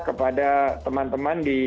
kepada teman teman di